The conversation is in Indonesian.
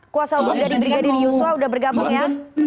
kuasa uu dari brigadier yuswa sudah bergabung ya